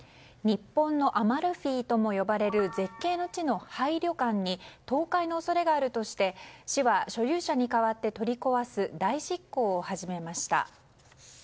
日本のアマルフィとも呼ばれる絶景の地の廃旅館に倒壊の恐れがあるとして市は所有者に代わって取り壊す代執行を始めました。